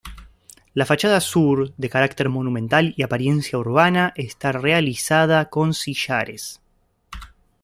La fachada sur, de carácter monumental y apariencia urbana, está realizada con sillares.